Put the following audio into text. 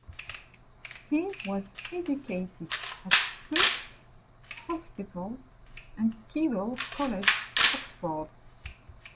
He was educated at Christ's Hospital and Keble College, Oxford.